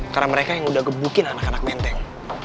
karena mereka yang udah gebukin anak anak menteng